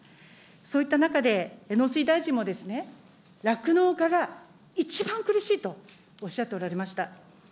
そういった中で、農水大臣も酪農家が一番苦しいとおっしゃっておられました。